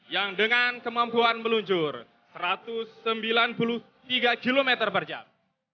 yang dengan kemampuan meluncur satu ratus sembilan puluh tiga km per jam